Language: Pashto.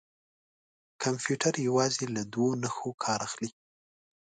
کمپیوټر یوازې له دوه نښو کار اخلي.